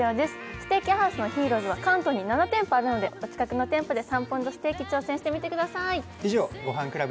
ステーキハウスＨＩＲＯ’Ｓは関東に７店舗あるのでお近くの店舗で３ポンドステーキ、挑戦してみてください。